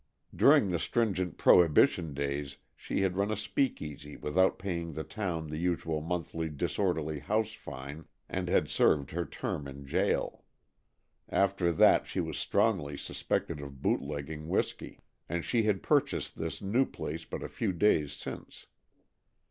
During the stringent prohibition days she had run a "speak easy" without paying the town the usual monthly disorderly house fine, and had served her term in jail. After that she was strongly suspected of boot legging whisky, and she had purchased this new place but a few days since.